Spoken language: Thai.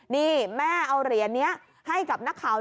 นี่แม่เอาเหรียญนี้ให้กับนักข่าว